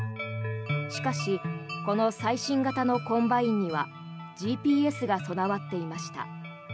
しかしこの最新型のコンバインにはＧＰＳが備わっていました。